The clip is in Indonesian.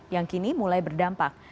yang kini mulai berdampak